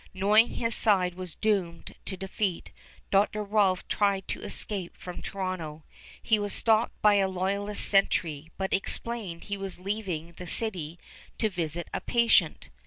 Knowing his side was doomed to defeat, Dr. Rolph tried to escape from Toronto. He was stopped by a loyalist sentry, but explained he was leaving the city to visit a patient.